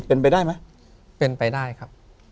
ถูกต้องไหมครับถูกต้องไหมครับ